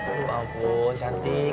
aduh ampun cantik